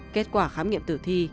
kết quả khám nghiệm tử thi